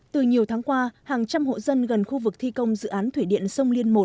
từ nhiều tháng qua hàng trăm hộ dân gần khu vực thi công dự án thủy điện sông liên một